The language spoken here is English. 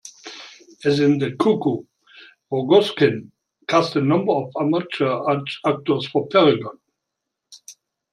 As in "The Cuckoo", Rogozhkin cast a number of amateur actors for "Peregon".